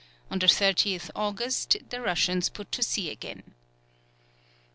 On the 30th August, the Russians put to sea again.